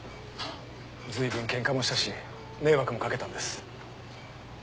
ずいぶんケンカもしたし迷惑もかけたんです。